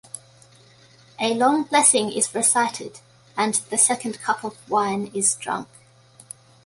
A long blessing is recited, and the second cup of wine is drunk.